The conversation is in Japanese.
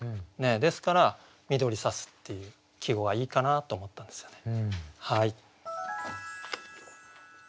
ですから「緑さす」っていう季語がいいかなと思ったんですよね。